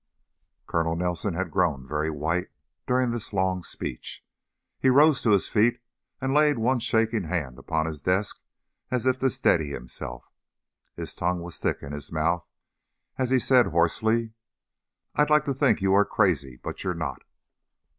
Colonel Nelson had grown very white during this long speech. He rose to his feet and laid one shaking hand upon his desk as if to steady himself; his tongue was thick in his mouth as he said, hoarsely: "I'd like to think you are crazy, but you're not."